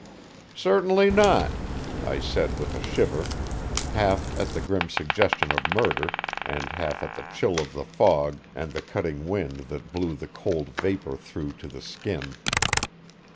"Certainly not," I said with a shiver, half at the grim suggestion of murder and half at the chill of the fog and the cutting wind that blew the cold vapor through to the skin.